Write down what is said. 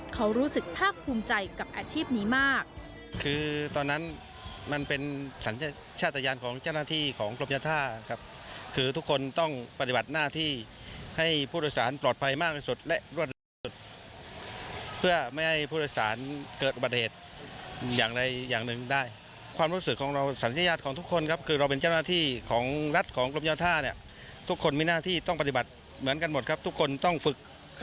เขารู้สึกภาคภูมิใจกับอาชีพนี้มาก